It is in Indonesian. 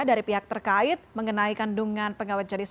dari pihak terkait mengenai kandungan pengawet jenis